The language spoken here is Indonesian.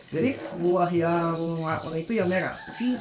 jadi buah yang warna itu yang merah